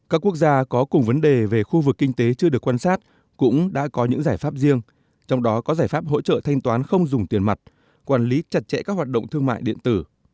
các quốc gia có cùng vấn đề về khu vực kinh tế chưa được quan sát cũng đã có những giải pháp riêng trong đó có giải pháp hỗ trợ thanh toán không dùng tiền mặt quản lý chặt chẽ các hoạt động thương mại điện tử